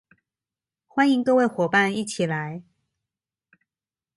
歡迎各位夥伴一起來